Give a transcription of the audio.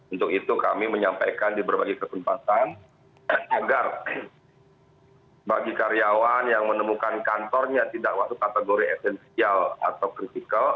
untuk itu kami menyampaikan di berbagai kesempatan agar bagi karyawan yang menemukan kantornya tidak masuk kategori esensial atau kritikal